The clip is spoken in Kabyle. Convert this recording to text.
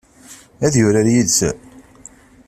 Ad yurar yid-sen?